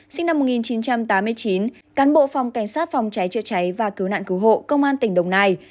sinh năm một nghìn chín trăm tám mươi chín cán bộ phòng cảnh sát phòng cháy chữa cháy và cứu nạn cứu hộ công an tỉnh đồng nai